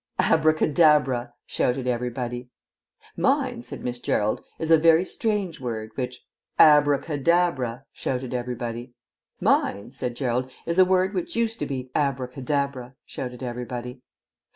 "'Abracadabra,'" shouted everybody. "Mine," said Miss Gerald, "is a very strange word, which " "'Abracadabra,'" shouted everybody. "Mine," said Gerald, "is a word which used to be " "'Abracadabra,'" shouted everybody.